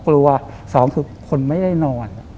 กลัว๒คือคนไม่ได้นอน